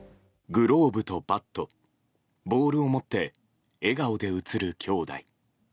グローブとバットボールを持って笑顔で写る兄弟。